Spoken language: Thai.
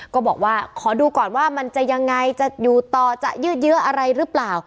ก็บอกว่าขอดูก่อนว่ามันจะยังไงจะอยู่ต่อจะยืดเยอะอะไรหรือเปล่า